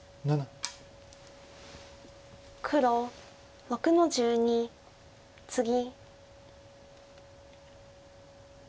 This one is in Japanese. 黒６の十二ツギ。